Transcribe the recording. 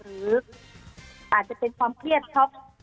หรืออาจจะเป็นความเครียดช็อก